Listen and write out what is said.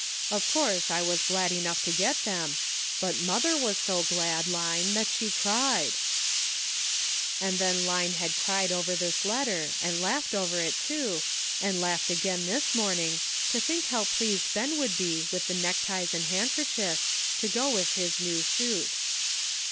Of course I was glad enough to get them, but mother was so glad, Line, that she cried." And then Line had cried over this letter, and )aughed over it, too, and laughed again this 304 GREAT QUESTIONS SETTLED. morning, to think how pleased Ben would be with the neckties and handkerchiefs, to go with the new suit.